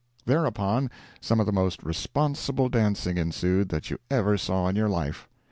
Thereupon, some of the most responsible dancing ensued that you ever saw in your life.